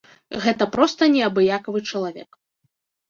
Гэта проста неабыякавы чалавек.